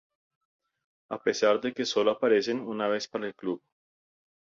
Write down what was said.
A pesar de que sólo aparecen una vez para el club.